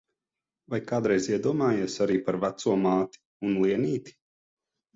Vai kādreiz iedomājies arī par veco māti un Lienīti?